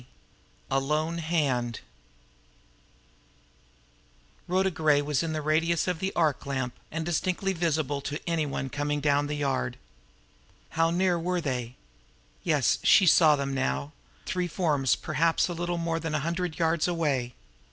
XX. A LONE HAND And now Rhoda Gray was in the radius of the arc lamp, and distinctly visible to any one coming down the yard. How near were they? Yes, she saw them now three forms perhaps a little more than a hundred yards away.